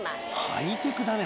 ハイテクだね。